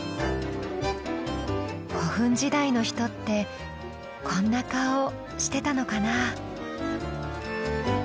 古墳時代の人ってこんな顔してたのかな。